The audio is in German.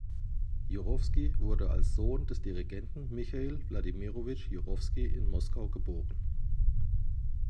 Jurowski wurde als Sohn des Dirigenten Michail Wladimirowitsch Jurowski in Moskau geboren.